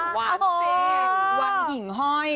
หวานเส้นหวานหิ่งห้อย